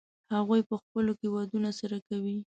هغوی په خپلو کې ودونه سره کوي.